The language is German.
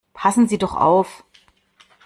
Passen Sie doch auf!